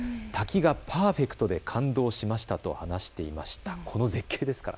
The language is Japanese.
滝がパーフェクトで感動しましたと話していました。